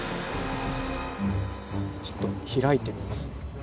ちょっと開いてみます。